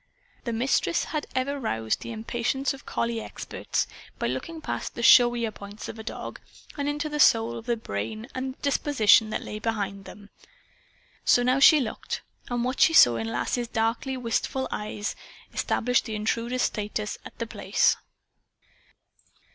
The Mistress had ever roused the impatience of collie experts by looking past the showier "points" of a dog and into the soul and brain and disposition that lay behind them. So now she looked; and what she saw in Lass's darkly wistful eyes established the intruder's status at The Place.